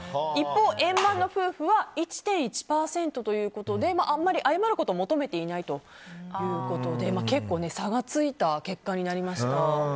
一方、円満な夫婦は１．１％ということであんまり謝ることを求めていないということで結構差がついた結果になりました。